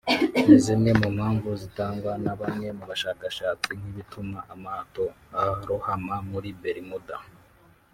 ni zimwe mu mpamvu zitangwa na bamwe mu bashakashatsi nk'ibituma amato arohama muri Bermuda